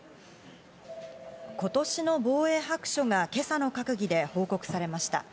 今年の防衛白書が今朝の閣議で報告されました。